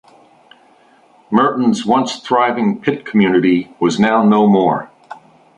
Murton's once-thriving pit community was now no more.